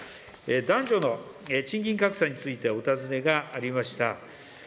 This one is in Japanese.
男女の賃金格差についてお尋ねがありました。